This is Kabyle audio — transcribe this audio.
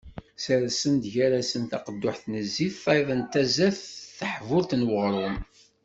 Ssersen-d gar-asen taqedduḥt n zzit, tayeḍ n tazart d teḥbult n uγrum.